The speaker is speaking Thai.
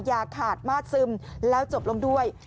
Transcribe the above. อย่าขาดมาดซึมแล้วจบลงด้วย